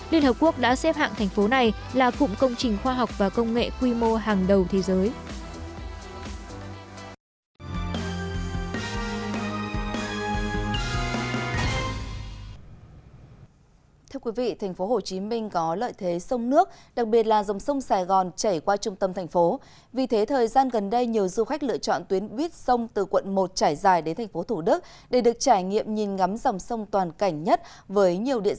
liên hợp quốc đã xếp hạng thành phố này là cụm công trình khoa học và công nghệ quy mô hàng đầu thế giới